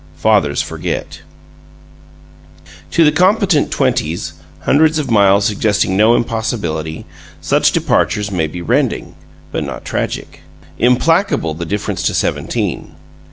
XXIII FATHERS FORGET To the competent twenties, hundreds of miles suggesting no impossibilities, such departures may be rending, but not tragic. Implacable, the difference to Seventeen!